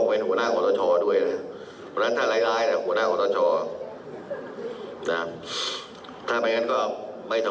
๔ปีแล้วใช่มั้ย